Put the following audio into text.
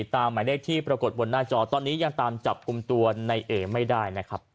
หมายเลขที่ปรากฏบนหน้าจอตอนนี้ยังตามจับกลุ่มตัวในเอไม่ได้นะครับ